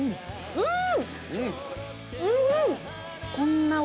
うん。